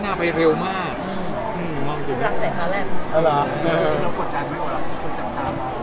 และเช่นยังรู้จักกันนะครับ